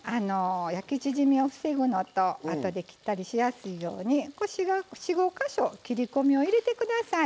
焼き縮みを防ぐのとあとで切ったりしやすいように４５か所切りこみを入れてください。